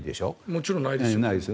もちろんないです。